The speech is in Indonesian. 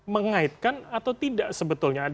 mengaitkan atau tidak sebetulnya